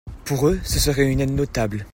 Pour eux, ce serait une aide notable.